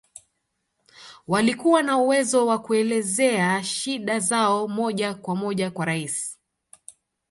Walikuwa na uwezo wa kelezea shida zao moja kwa moja kwa Rais